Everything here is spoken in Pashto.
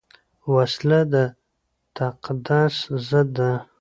وسله د تقدس ضد ده